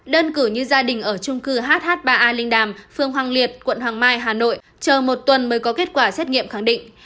đơn cử như gia đình ở trung cư hh ba a linh đàm phường hoàng liệt quận hoàng mai hà nội chờ một tuần mới có kết quả xét nghiệm khẳng định